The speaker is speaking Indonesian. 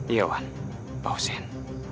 iya wan pak hussein